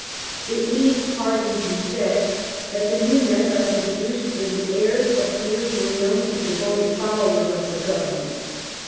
It need hardly be said that the new men thus introduced were the heirs of peers who were known to be devoted followers of the Govern ment.